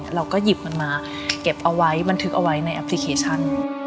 เราก็หยิบมันมาเก็บเอาไว้บันทึกเอาไว้ในแอปพลิเคชัน